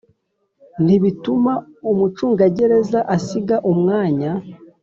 ntibituma umucungagereza asiga umwanya